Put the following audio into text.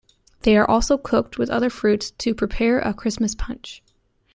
They are also cooked with other fruits to prepare a Christmas punch.